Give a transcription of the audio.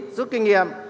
giúp kinh nghiệm